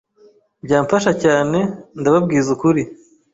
byamfasha cyane ndababwiza ukuri